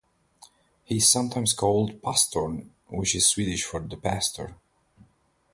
He is sometimes called "Pastorn", which is Swedish for "The Pastor".